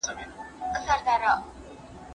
خپل ذهن له هر ډول بدګمانۍ او کرکي څخه وساتئ.